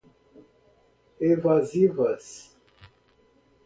evasivas